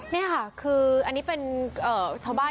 แหละคุณครับ